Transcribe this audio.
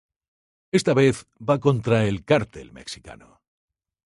Esta vez va contra un cártel mexicano.